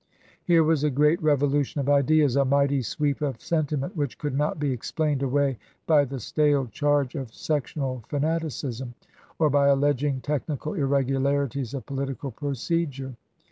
Here was a great revolution of ideas, a mighty sweep of sentiment, which could not be explained away by the stale charge of sectional fanaticism, or by alleging technical irregularities of political procedure.